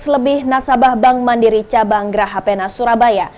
seratus lebih nasabah bank mandiri cabang graha pena surabaya